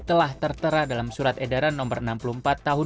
telah tertera dalam surat edaran no enam puluh empat tahun dua ribu dua puluh